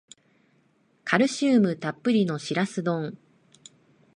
カルシウムたっぷりのシラス丼